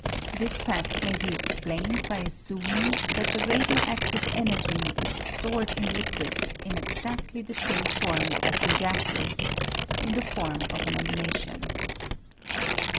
This fadl may be ex plained by assuming that the radio adtive energy is stored in liquids in exadtly the same form as in gases (in the form of an emanation).